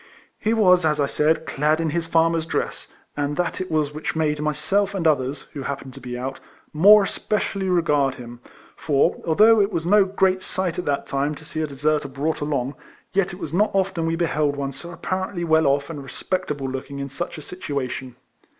He was. RIFLEMAN HARRIS. 117 as I said, clad in his farmer's dress, and tliat it was which made myself and others (who happened to be out) more especially regard him ; for, although it was no great sight at that time to see a deserter brought along, yet it was not often we beheld one so apparently well off and respectable look ing in such a situation.